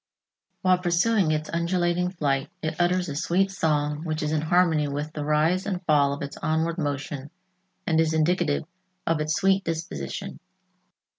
While pursuing its undulating flight, it utters a sweet song which is in harmony with the rise and fall of its onward motion and is indicative of its sweet disposition.